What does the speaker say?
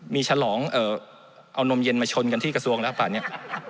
มีฉลองเอานมเย็นมาชนกันที่กระทรวงแล้วป่านนี้